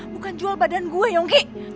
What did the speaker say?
bukan jual badan gue yungki